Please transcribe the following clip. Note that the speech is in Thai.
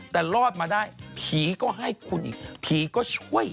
แต่รอดมาได้ผีก็ให้คุณอีกผีก็ช่วย